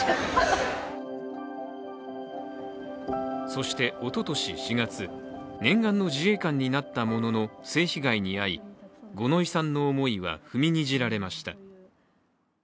そしておととし４月、念願の自衛官になったものの性被害に遭い、五ノ井さんの思いは踏みにじられました。